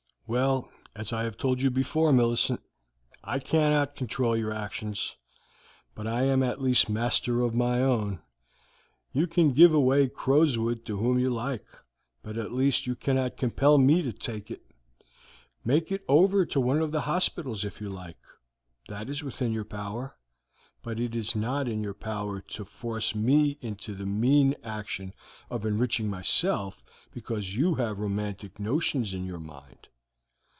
"Well, as I have told you before, Millicent, I cannot control your actions, but I am at least master of my own. You can give away Crowswood to whom you like, but at least you cannot compel me to take it. Make it over to one of the hospitals if you like that is within your power; but it is not in your power to force me into the mean action of enriching myself because you have romantic notions in your mind.